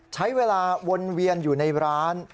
ใช้เวลาวนเวียนอยู่ในร้าน